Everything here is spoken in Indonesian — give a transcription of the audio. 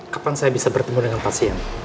kapan saya bisa bertemu dengan pasien